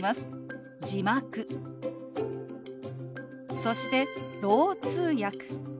そして「ろう通訳」。